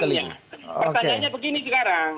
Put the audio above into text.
pertanyaannya begini sekarang